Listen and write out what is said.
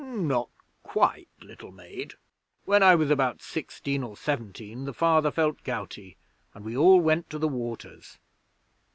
'Not quite, little maid. When I was about sixteen or seventeen, the Father felt gouty, and we all went to the Waters.'